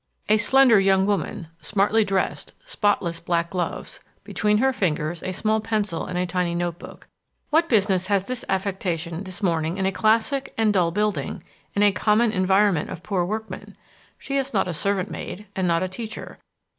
A slender young woman, smartly dressed spotless black gloves between her fingers a small pencil and a tiny note book. What business has this affectation this morning in a classic and dull building, in a common environment of poor workmen? She is not a servant maid, and not a teacher.